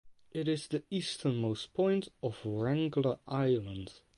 It is the easternmost point of Wrangel Island.